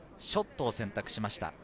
ショットを選択しました。